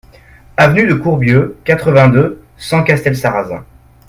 Avenue de Courbieu, quatre-vingt-deux, cent Castelsarrasin